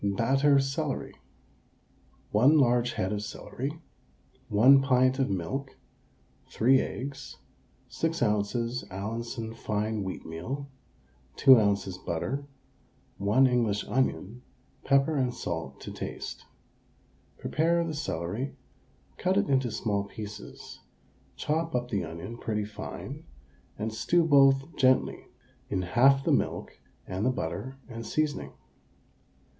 BATTER CELERY. 1 large head of celery, 1 pint of milk, 3 eggs, 6 oz. Allinson fine wheatmeal, 2 oz. butter, 1 English onion, pepper and salt to taste. Prepare the celery, cut it into small pieces, chop up the onion pretty fine, and stew both gently in half the milk and the butter and seasoning.